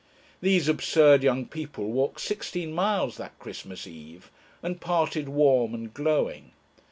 These absurd young people walked sixteen miles that Christmas Eve, and parted warm and glowing.